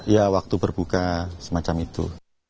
ya waktu berbuka semacam itu